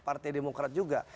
partai demokrat juga